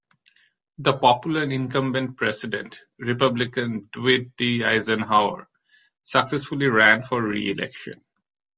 The popular incumbent President, Republican Dwight D. Eisenhower, successfully ran for re-election.